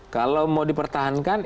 kalau mau dipertahankan